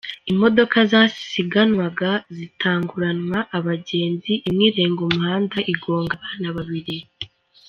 Imodoka zasiganwaga zitanguranwa abagenzi, imwe irenga umuhanda igonga abana babiri.